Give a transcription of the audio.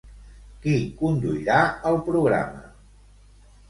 Qui conduirà el programa?